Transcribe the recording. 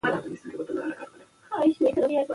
افغانستان د کلي له پلوه متنوع دی.